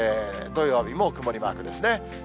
土曜日も曇りマークですね。